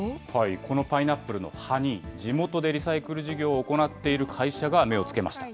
このパイナップルの葉に、地元でリサイクル事業を行っている会社が目をつけました。